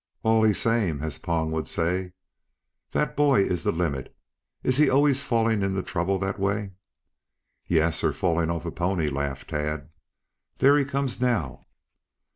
"Allee same, as Pong would say. That boy is the limit. Is he always falling into trouble that way?" "Yes, or falling off a pony," laughed Tad. "There he comes, now."